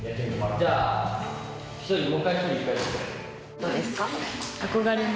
どうですか？